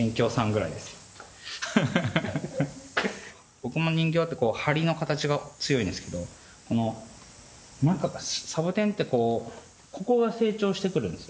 僕の人形ってハリの形が強いんですけどこの中がサボテンってこうここが成長してくるんですよ。